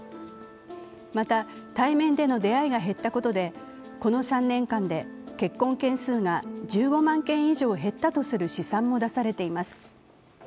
また対面での出会いが減ったことで、この３年間で結婚件数が１５万件以上減ったとする試算も出されています。